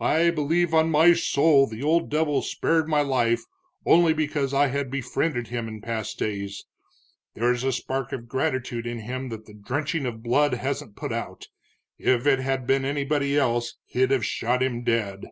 "I believe on my soul the old devil spared my life only because I had befriended him in past days. There's a spark of gratitude in him that the drenching of blood hasn't put out. If it had been anybody else he'd have shot him dead."